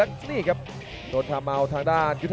และนี้ครับโดนทำเอาทางด้านยุธจักร